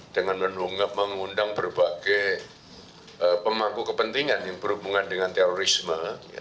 dengan mengundang berbagai pemangku kepentingan yang berhubungan dengan terorisme